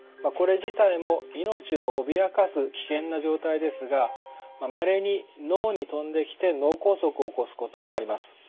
これ自体も命を脅かす危険な状態ですがまれに脳にとんできて脳梗塞を起こすこともあります。